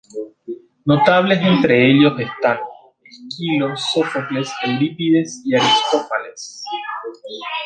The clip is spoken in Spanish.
Notables entre ellos están Esquilo, Sófocles, Eurípides y Aristófanes.